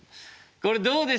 これどうでした？